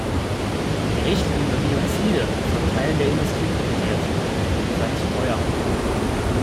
Die Richtlinie über Biozide wird von Teilen der Industrie kritisiert, sie sei zu teuer.